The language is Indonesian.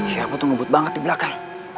siapa tuh ngebut banget di belakang